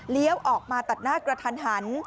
เลี้ยวออกมาตัดหน้ากระทันหัน